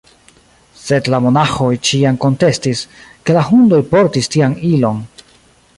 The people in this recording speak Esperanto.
Sed la monaĥoj ĉiam kontestis, ke la hundoj portis tian ilon.